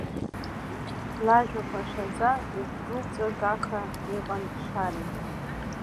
Лажәақәа ашаӡа, игәкылҵәагаха иҟан Шарагьы.